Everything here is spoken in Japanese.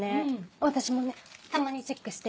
私もねたまにチェックしてる。